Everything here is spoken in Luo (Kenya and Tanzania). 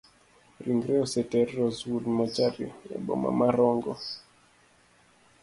Ringre oseter rosewood mochari eboma ma rongo.